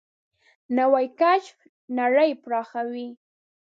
نوې کشف نړۍ پراخوي